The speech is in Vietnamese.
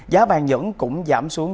giá vàng nhẫn cũng giảm xuống